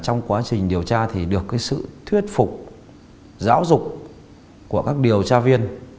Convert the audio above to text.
trong quá trình điều tra thì được sự thuyết phục giáo dục của các điều tra viên